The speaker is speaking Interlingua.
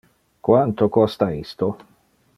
Quanto costa isto?